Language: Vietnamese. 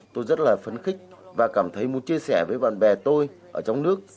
tôi rất là phấn khích và cảm thấy muốn chia sẻ với bạn bè tôi ở trong nước